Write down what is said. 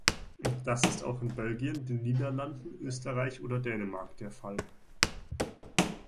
Das ist auch in Belgien, den Niederlanden, Österreich oder Dänemark der Fall.